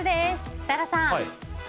設楽さん。